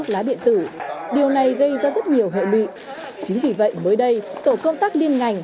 lá điện tử điều này gây ra rất nhiều hệ lụy chính vì vậy mới đây tổ công tác liên ngành